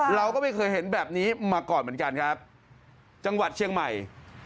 เราก็ไม่เคยเห็นแบบนี้มาก่อนเหมือนกันครับจังหวัดเชียงใหม่